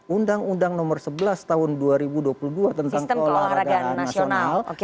undang undang nomor sebelas tahun dua ribu dua puluh dua tentang keolahragaan nasional